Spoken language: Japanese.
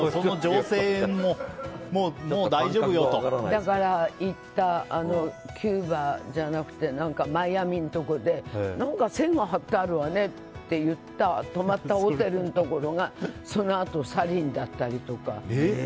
だから、行ったキューバじゃなくてマイアミのところで、何か線が張ってあるわねって言って泊まったホテルのところがそのあとサリンだったりとか。